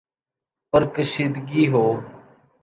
پر کشیدگی ہو،